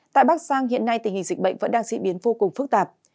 tại bắc giang hiện nay tình hình dịch bệnh vẫn đang diễn biến vô cùng phức tạp